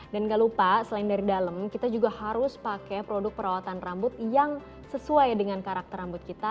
dan gak lupa selain dari dalam kita juga harus pakai produk perawatan rambut yang sesuai dengan karakter rambut kita